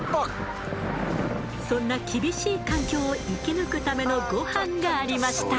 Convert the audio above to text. そんな厳しい環境を生き抜くためのゴハンがありました。